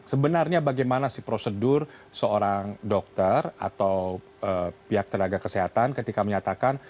sebenarnya bagaimana sih prosedur seorang dokter atau pihak tenaga kesehatan ketika menyatakan